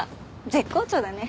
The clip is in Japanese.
絶好調だね。